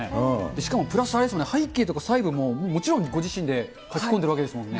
しかもプラスあれですよね、背景とかももちろんご自身で描き込んでるわけですもんね。